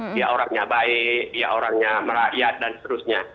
dia orangnya baik dia orangnya merakyat dan seterusnya